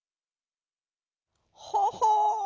「ほほう！